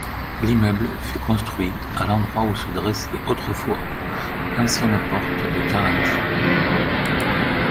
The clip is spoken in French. L'immeuble fut construit à l'endroit où se dressait autrefois l'ancienne Porte de Carinthie.